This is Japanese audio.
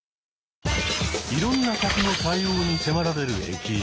いろんな客の対応に迫られる駅員。